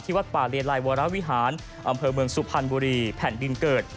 วัดป่าเลไลวรวิหารอำเภอเมืองสุพรรณบุรีแผ่นดินเกิด